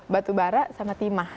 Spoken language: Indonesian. batubara sama timah